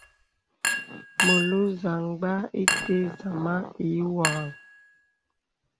Melùù zamgbā ìndə zāmā i vɔyaŋ.